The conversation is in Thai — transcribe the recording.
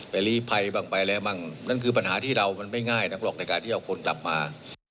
ลีภัยบ้างไปแล้วบ้างนั่นคือปัญหาที่เรามันไม่ง่ายนักหรอกในการที่เอาคนกลับมา